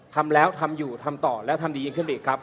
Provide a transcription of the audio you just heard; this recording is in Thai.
ทำแล้วทำอยู่ทำต่อแล้วทำดียิ่งขึ้นไปอีกครับ